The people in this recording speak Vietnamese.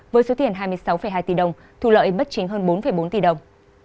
với số tiền hai mươi sáu hai tỷ đồng thu lợi bất chính hơn bốn bốn tỷ đồng